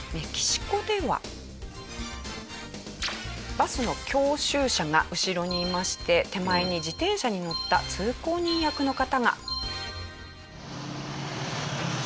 バスの教習車が後ろにいまして手前に自転車に乗った通行人役の方が。